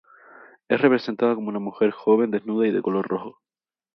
Es representada como una mujer joven, desnuda y de color rojo.